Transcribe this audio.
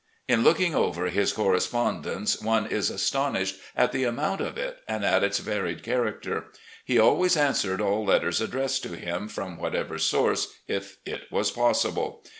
In looking over his cor respondence one is astonished at the amount of it and at its varied character. He always answered all letters addressed to him, from whatever source, if it was possible.